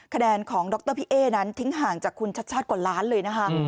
คะแนนของดรพี่เอ๊นั้นทิ้งห่างจากคุณชัดชาติกว่าล้านเลยนะคะ